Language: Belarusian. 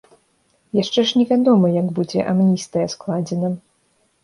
Яшчэ ж не вядома, як будзе амністыя складзена.